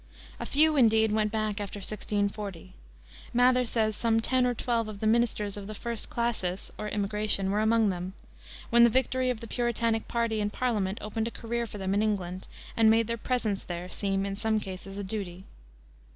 A few, indeed, went back after 1640 Mather says some ten or twelve of the ministers of the first "classis" or immigration were among them when the victory of the Puritanic party in Parliament opened a career for them in England, and made their presence there seem in some cases a duty.